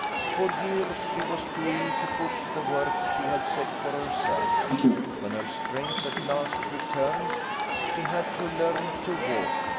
"For years she was too ill to push the work she had set for herself. When her strength at last returned, she had to learn to walk.